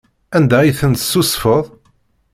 Anda i ten-tessusfeḍ?